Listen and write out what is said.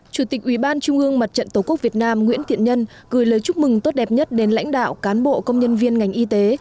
chủ tịch ubnd mặt trận tổ quốc việt nam nguyễn thiện nhân gửi lời chúc mừng tốt đẹp nhất đến lãnh đạo cán bộ công nhân viên ngành y tế